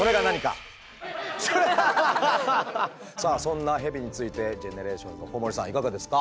さあそんなヘビについてＧＥＮＥＲＡＴＩＯＮＳの小森さんいかがですか？